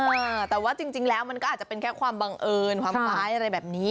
เออแต่ว่าจริงแล้วมันก็อาจจะเป็นแค่ความบังเอิญความคล้ายอะไรแบบนี้